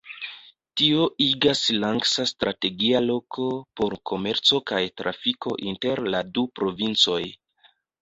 Tio igas Langsa strategia loko por komerco kaj trafiko inter la du provincoj.